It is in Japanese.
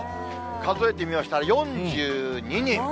数えてみましたら４２人。